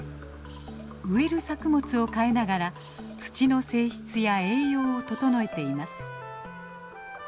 植える作物を変えながら土の性質や栄養を整えています。